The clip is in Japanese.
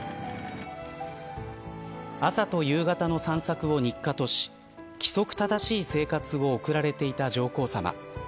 朝と夕方の散策を日課とし規則正しい生活を送られていた上皇さま。